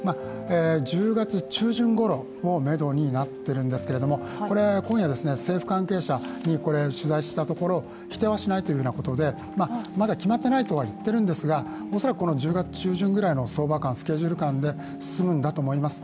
１０月中旬ごろがめどになっているんですけれども、今夜政府関係者に取材したところ否定はしないというふうなことでまだ決まっていないと入っているんですが、恐らく１０月中旬くらいの相場感スケジュール感で進むんだと思います。